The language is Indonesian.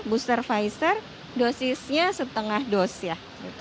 booster pfizer dosisnya setengah dos ya